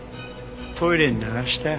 トイレに流したよ。